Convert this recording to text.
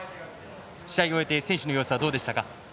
試合を終えて選手の様子はどうでしたか？